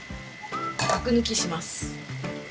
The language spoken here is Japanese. アク抜きします。